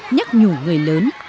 nhắc nhủ người lớn